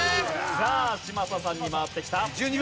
さあ嶋佐さんに回ってきた。